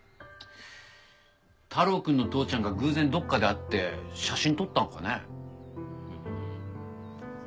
太郎くんの父ちゃんが偶然どこかで会って写真撮ったんかね？